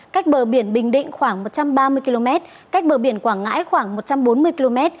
cách bờ biển bình định khoảng một trăm ba mươi km cách bờ biển quảng ngãi khoảng một trăm bốn mươi km